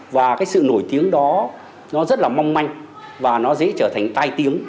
và cái sự nổi tiếng đó nó rất là mong manh và nó dễ trở thành tai tiếng